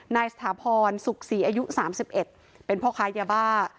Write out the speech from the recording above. นายสถาพรศุกษีอายุสามสิบเอ็ดเป็นพ่อค้ายาบ้า